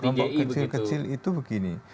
kelompok kecil kecil itu begini